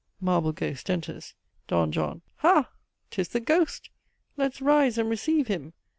(Marble ghost enters.) "D. JOHN. Ha! 'tis the ghost! Let's rise and receive him!